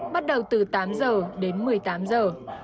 bắt đầu từ tám giờ đến một mươi tám giờ